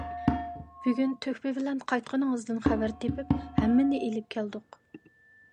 بۈگۈن تۆھپە بىلەن قايتقىنىڭىزدىن خەۋەر تېپىپ ھەممىنى ئېلىپ كەلدۇق.